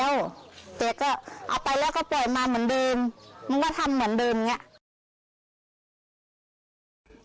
เอาแต่ก็เอาไปแล้วก็ปล่อยมาเหมือนเดิมมันก็ทำเหมือนเดิมอย่างเงี้ย